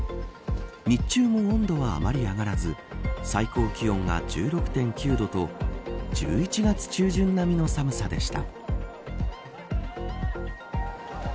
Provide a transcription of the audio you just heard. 日中も温度はあまり上がらず最高気温が１６．９度と１１月中旬並みの寒さでした。